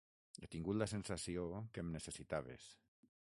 He tingut la sensació que em necessitaves.